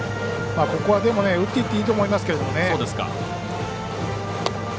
ここは、でも打っていっていいと思いますけどね。